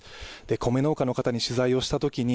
米農家の方に取材したときに